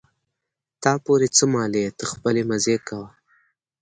تا پورې څه مالې ته خپلې مزې کوه.